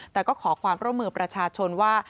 แต่ก็ขอความร่วมมือประชาชนว่า